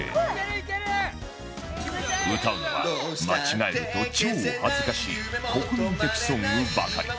歌うのは間違えると超恥ずかしい国民的ソングばかり